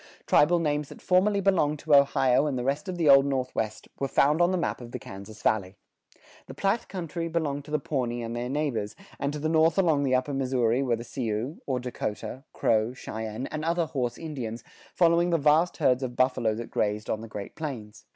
Tribal names that formerly belonged to Ohio and the rest of the Old Northwest were found on the map of the Kansas Valley. The Platte country belonged to the Pawnee and their neighbors, and to the north along the Upper Missouri were the Sioux, or Dakota, Crow, Cheyenne, and other horse Indians, following the vast herds of buffalo that grazed on the Great Plains.